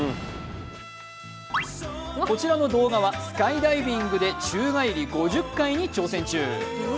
こちらの動画はスカイダイビングで宙返り５０回に挑戦中。